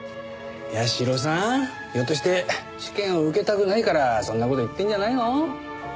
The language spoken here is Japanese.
社さんひょっとして試験を受けたくないからそんな事言ってるんじゃないの？